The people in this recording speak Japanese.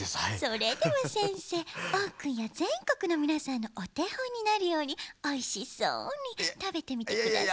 それではせんせいＯくんやぜんこくのみなさんのおてほんになるようにおいしそうにたべてみてください。